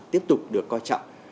tiếp tục được coi trọng